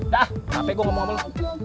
dah capek gua ngomong sama lu